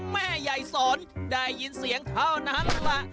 แม่ใหญ่สอนได้ยินเสียงเท่านั้นแหละ